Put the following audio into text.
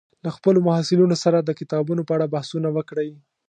له خپلو محصلینو سره د کتابونو په اړه بحثونه وکړئ